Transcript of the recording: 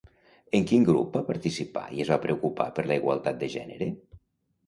En quin grup va participar i es va preocupar per la igualtat de gènere?